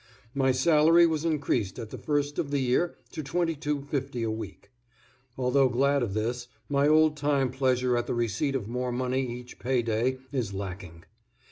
My salary was increased at the first of the year to $22.50 a week. Although glad of this, my old time pleasure at the receipt of more money each pay day is lacking.